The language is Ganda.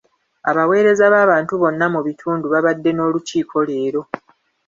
Abaweereza b'abantu bonna mu bitundu babadde n'olukiiko leero.